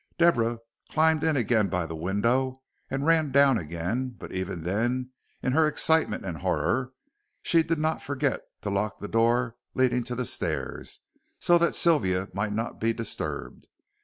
Deborah climbed in again by the window, and ran down again, but even then, in her excitement and horror, she did not forget to lock the door leading to the stairs, so that Sylvia might not be disturbed.